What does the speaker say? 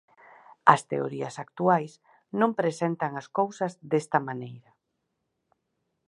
As teorías actuais non presentan as cousas desta maneira.